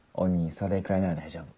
それくらいなら大丈夫。